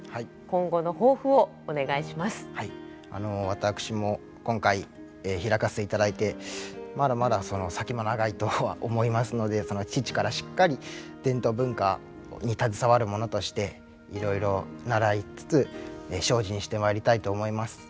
私も今回披かせていただいてまだまだ先も長いとは思いますので父からしっかり伝統文化に携わる者としていろいろ習いつつ精進してまいりたいと思います。